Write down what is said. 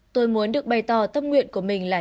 tôi muốn được bày tỏ tâm nguyện của mình là